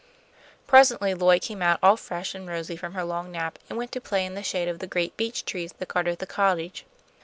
Presently Lloyd came out all fresh and rosy from her long nap, and went to play in the shade of the great beech trees that guarded the cottage.